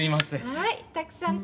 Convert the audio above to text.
はい。